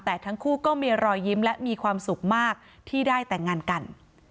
แต่ทั้งคู่ก็มีรอยยิ้มและมีความสุขมากที่ได้แต่งงานกัน